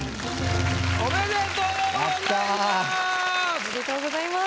おめでとうございます！